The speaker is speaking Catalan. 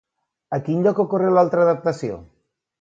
A quin lloc ocorre l'altra adaptació?